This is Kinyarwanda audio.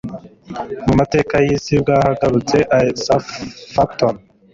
mu mateka y'isi bwahagurutse I Southampton